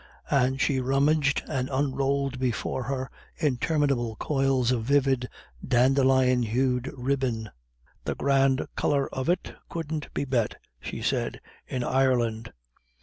And she rummaged, and unrolled before him interminable coils of vivid dandelion hued ribbon. "The grand colour of it couldn't be bet," she said, "in Ireland.